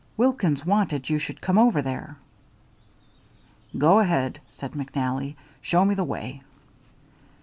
Wilkins wanted you should come over there." "Go ahead," said McNally. "Show me the way."